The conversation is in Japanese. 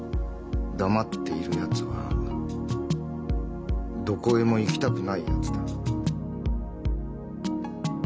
黙っているやつはどこへも行きたくないやつだ。